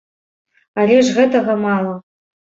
Але ж гэтага мала.